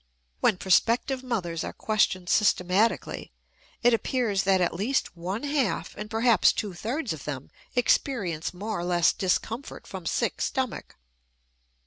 When prospective mothers are questioned systematically, it appears that at least one half and perhaps two thirds of them experience more or less discomfort from sick stomach.